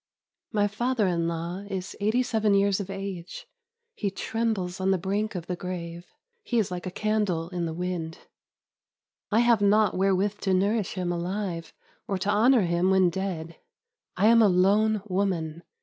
My father in law is eighty seven years of age. He trembles on the brink of the grave. He is like a candle in the wind. I have naught wherewith to nourish him alive, or to honor him when dead. I am a lone woman.